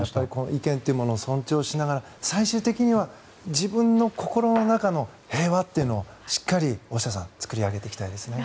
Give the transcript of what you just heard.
意見というものを尊重しながら最終的には自分の心の中の平和をしっかり大下さん作り上げていきたいですね。